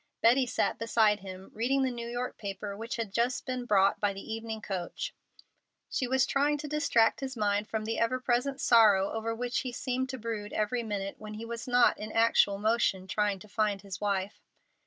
Betty sat beside him, reading the New York paper which had just been brought by the evening coach. She was trying to distract his mind from the ever present sorrow over which he seemed to brood every minute when he was not in actual motion trying to find his wife.